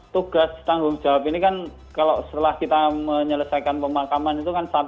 tugas tanggung jawab ini kan kalau setelah kita menyelesaikan pemakaman itu kan satu